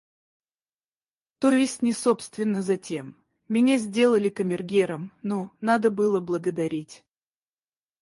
То есть не собственно затем... Меня сделали камергером, ну, надо было благодарить.